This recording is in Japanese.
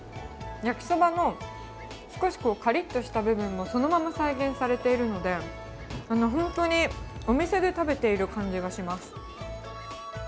焼きそばの、少しかりっとした部分もそのまま再現されているので、本当に、お店で食べている感じがします。